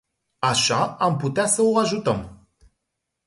Așa am putea să o ajutăm.